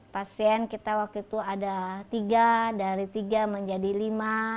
pasien kita waktu itu kita sudah berusaha untuk memperbaiki tempat ini